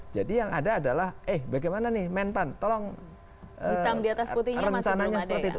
jadi yang ada adalah eh bagaimana nih mentan tolong rencananya seperti itu